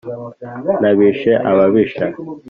n’abishe ababisha,